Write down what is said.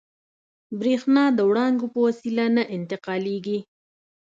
برېښنا د وړانګو په وسیله نه انتقالېږي.